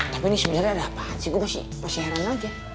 tapi ini sebenarnya ada apaan sih gue masih heran aja